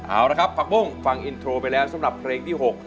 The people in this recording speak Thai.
เอาละครับผักบุ้งฟังอินโทรไปแล้วสำหรับเพลงที่๖